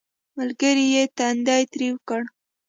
ملګري یې تندی ترېو کړ